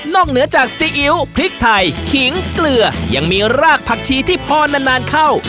เหนือจากซีอิ๊วพริกไทยขิงเกลือยังมีรากผักชีที่พอนานเข้า